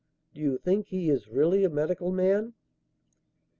Do you think he is really a medical man?"